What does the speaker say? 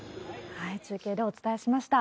中継でお伝えしました。